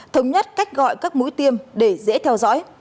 thống nhất cách gọi các mũi tiêm để dễ theo dõi